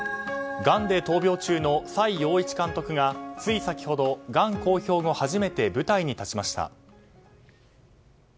がんで闘病中の崔洋一監督がつい先ほどがん公表後初めて舞台に立ちました。